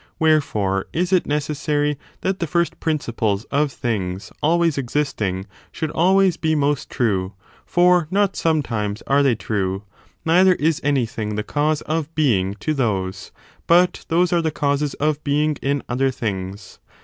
Wherefore, is it neces sary that the first principles of things, alwa}(s existing, should always be most true; for not sometimes are they true, aeither is anything the caxise of being to those, but those are the causes of being in other things.